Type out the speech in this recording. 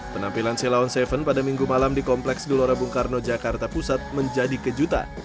penampilan celawon tujuh pada minggu malam di kompleks gelora bung karno jakarta pusat menjadi kejutan